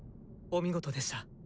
お見事でした。